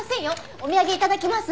お土産頂きます。